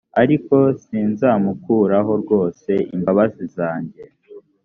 ariko sinzamukuraho rwose imbabazi zanjye